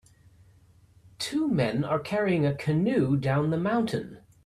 Two men are carrying a canoe down the mountain.